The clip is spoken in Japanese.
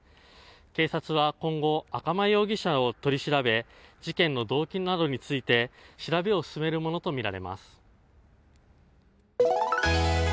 警察は今後、赤間容疑者を取り調べ事件の動機などについて調べを進めるものとみられます。